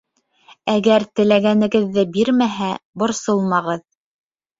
Әгәр теләгәнегеҙҙе бирмәһә, борсолмағыҙ.